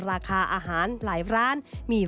เป็นอย่างไรนั้นติดตามจากรายงานของคุณอัญชาลีฟรีมั่วครับ